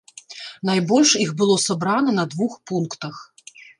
Найбольш іх было сабрана на двух пунктах.